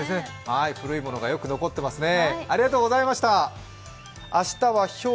古いものがよく残っていますね。